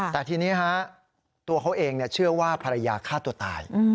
แต่ทีนี้ฮะตัวเขาเองเชื่อว่าภรรยาฆ่าตัวตาย